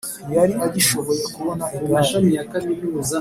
ntiyari agishoboye kubona igare;